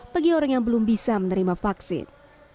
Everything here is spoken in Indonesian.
bagi orang yang belum bisa menerima vaksin